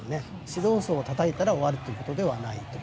指導層をたたいたら終わりということではないと。